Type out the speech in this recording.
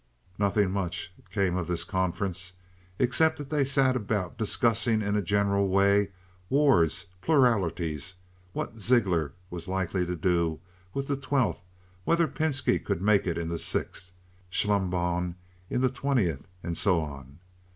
Nothing much came of this conference, except that they sat about discussing in a general way wards, pluralities, what Zeigler was likely to do with the twelfth, whether Pinski could make it in the sixth, Schlumbohm in the twentieth, and so on.